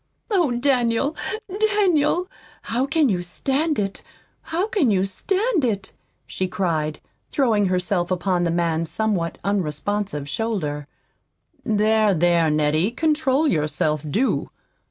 "Oh, Daniel, Daniel, how can you stand it how can you stand it!" she cried, throwing herself upon the man's somewhat unresponsive shoulder. "There, there, Nettie, control yourself, do!"